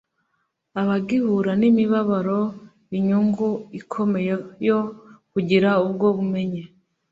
abagihura n'imibabaro inyungu ikomeye yo kugira ubwo bumenyi